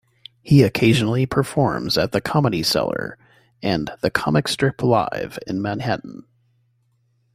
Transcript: He occasionally performs at the Comedy Cellar and the Comic Strip Live in Manhattan.